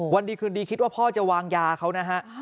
วันดีคืนดีคิดว่าพ่อจะวางยาเขานะฮะ